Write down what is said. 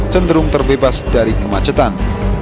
cenderung terbebas dari kemacetan